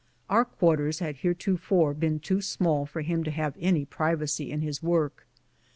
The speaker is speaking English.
Our quarters had heretofore been too small for him to have any privacy in his work.